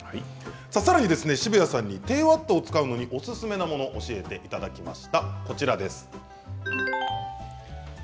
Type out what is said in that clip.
さらに澁谷さんに低ワットを使うのにおすすめなものを教えていただきました。